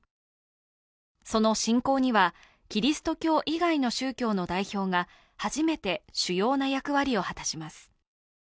その進行にはキリスト教以外の宗教の代表が初めて主要な役割を果たします。